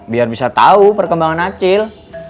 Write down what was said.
biar bisa tau perkembangan acil